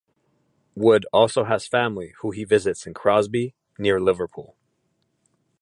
Wood also has family who he visits in Crosby near Liverpool.